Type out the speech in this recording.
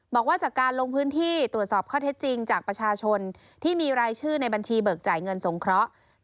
บอกว่าจากการลงพื้นที่ตรวจสอบข้อเท็จจริงจากประชาชนที่มีรายชื่อในบัญชีเบิกจ่ายเงินสงเคราะห์